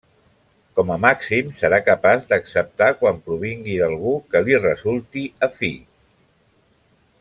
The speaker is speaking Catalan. Com a màxim serà capaç d'acceptar quan provingui d'algú que li resulti afí.